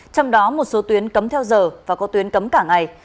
trong đó một số tuyến cấm theo giờ và có tuyến cấm cả ngày